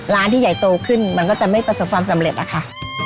ร้านที่ใหญ่โตขึ้นมันก็จะไม่เป็นความสำเร็จแล้วค่ะ